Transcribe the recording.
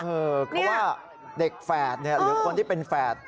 เพราะว่าเด็กแฝดหรือคนที่เป็นแฝด